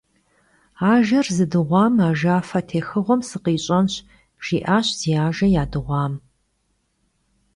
«Ajjer zıdığuam ajjafe têxığuem sıkhiş'enş», - jji'aş zi ajje yadığuam.